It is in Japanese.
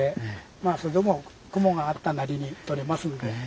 まあそれでも雲があったなりに撮れますんで。